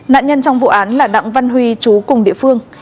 nạn nhân trong vụ án là đặng văn huy chú cùng địa phương